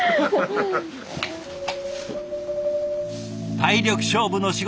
体力勝負の仕事。